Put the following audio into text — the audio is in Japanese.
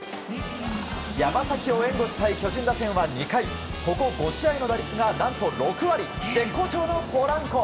山崎を援護したい巨人打線は２回ここ５試合の打率が何と６割絶好調のポランコ。